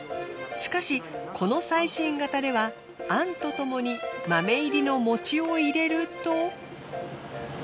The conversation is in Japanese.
しかしこの最新型ではあんとともに豆入りのもちを入れると。